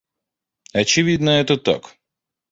Очевидно это так